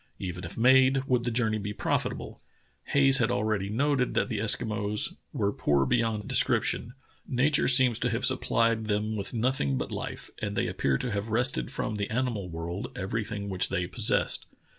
Even if made, would the journey be profitable? Hayes had already noted The Angekok Kalutunah 127 that the Eskimos "were poor beyond description. Nature seems to have suppHed them with nothing but life, and they appear to have wrested from the ani mal world everything which they possessed.